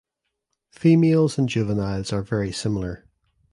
Females and juveniles are very similar.